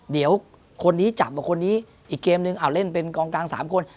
เดี๋ยวคนนี้จับกว่าคนนี้อีกเกมนึงเอาเล่นเป็นกองกลาง๓คน